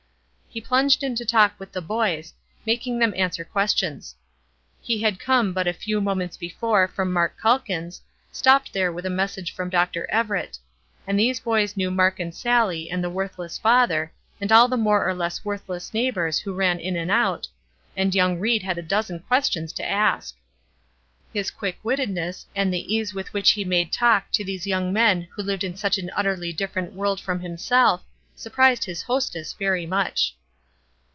He plunged into talk with the boys, making them answer questions. He had come but a few moments before from Mark Calkins', stopped there with a message from Dr. Everett; and these boys knew Mark and Sallie and the worthless father, and all the more or less worthless neighbors who ran in and out, and young Ried had a dozen questions to ask. His quick wittedness, and the ease with which he made talk to these young men who lived in such an utterly different world from himself, surprised his hostess very much.